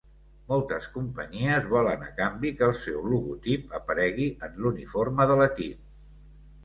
Moltes companyies volen a canvi que el seu logotip aparegui en l'uniforme de l'equip.